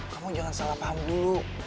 kamu jangan salah paham dulu